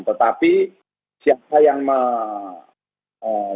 tetapi siapa yang menjemput